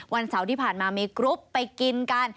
วันเสาร์ที่ผ่านมามีกรุ๊ปไปกินกัน